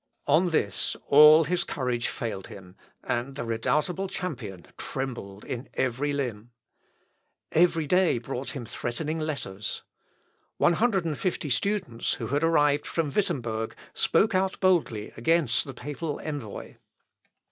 On this all his courage failed him, and the redoubtable champion trembled in every limb. Every day brought him threatening letters. One hundred and fifty students, who had arrived from Wittemberg, spoke out boldly against the papal envoy.